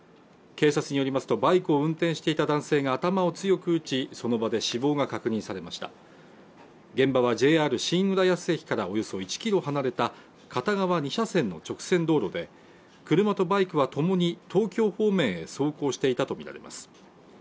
警察によりますとバイクを運転していた男性が頭を強く打ちその場で死亡が確認されました現場はＪＲ新浦安駅からおよそ１キロ離れた片側２車線の直線道路で車とバイクはともに東京方面へ走行していたと見られます